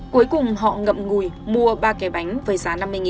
cuối cùng họ ngậm ngùi mua ba cái bánh với rán năm mươi